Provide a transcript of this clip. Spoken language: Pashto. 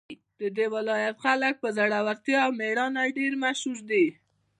د دې ولایت خلک په زړورتیا او میړانه ډېر مشهور دي